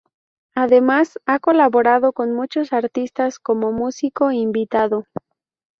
Además, ha colaborado con muchos artistas como músico invitado.